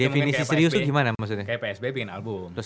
definisi serius itu gimana maksudnya